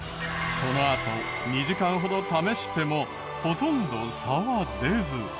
そのあと２時間ほど試してもほとんど差は出ず。